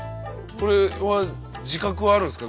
これは自覚はあるんすか？